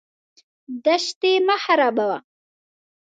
دښتې مه خرابوه.